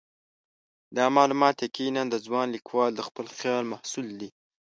دا معلومات یقیناً د ځوان لیکوال د خپل خیال محصول دي.